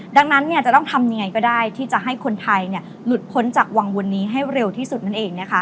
ดังนั้นจะต้องทำยังไงก็ได้ที่จะให้คนไทยหลุดพ้นจากวังวลนี้ให้เร็วที่สุดนั่นเองนะคะ